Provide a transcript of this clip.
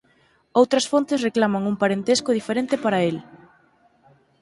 Outras fontes reclaman un parentesco diferente para el.